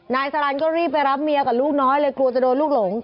นายสลันก็รีบไปรับเมียกับลูกน้อยเลยกลัวจะโดนลูกหลง